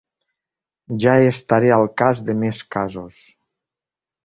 Ja estaré al cas de més casos.